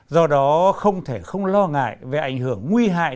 do đó không thể không lo ngại về ảnh hưởng nguy hại